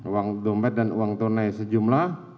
uang dompet dan uang tunai sejumlah